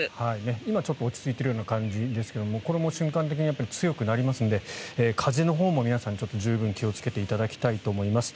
今、ちょっと落ち着いているような感じですがこれも瞬間的に強くなりますので風のほうも皆さん十分気をつけていただきたいと思います。